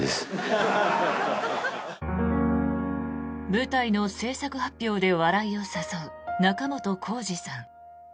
舞台の制作発表で笑いを誘う仲本工事さん。